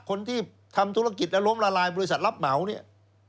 คนที่ทำธุรกิจและล้มละลายบริษัทรับเหมาเนี่ย